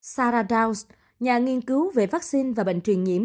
sarah downs nhà nghiên cứu về vaccine và bệnh truyền nhiễm